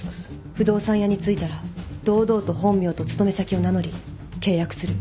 不動産屋に着いたら堂々と本名と勤め先を名乗り契約する。